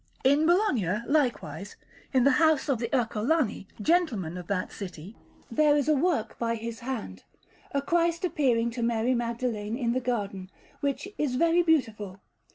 In Bologna, likewise, in the house of the Ercolani, gentlemen of that city, there is a work by his hand, a Christ appearing to Mary Magdalene in the Garden, which is very beautiful.